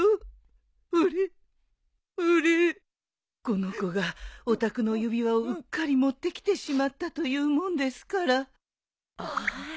この子がお宅の指輪をうっかり持ってきてしまったと言うもんですから。